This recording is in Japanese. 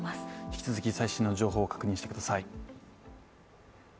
引き続き最新の情報を確認してください。